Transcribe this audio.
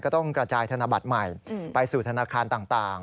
ก็ต้องกระจายธนบัตรใหม่ไปสู่ธนาคารต่าง